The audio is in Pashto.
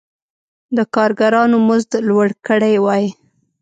د کارګرانو مزد لوړ کړی وای.